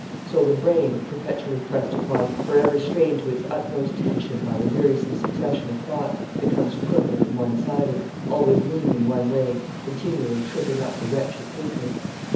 So the brain, perpetually pressed upon, for ever strained to its utmost tension by the wearisome succession of thoughts, becomes crooked and one sided, always leaning one way, continually tripping up the wretched thinker.